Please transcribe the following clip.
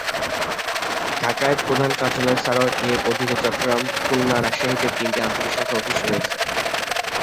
ঢাকায় প্রধান কার্যালয় ছাড়াও এর অধীনে চট্টগ্রাম, খুলনা ও রাজশাহীতে তিনটি আঞ্চলিক শাখা অফিস রয়েছে।